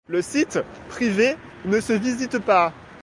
Le site, privé, ne se visite pas.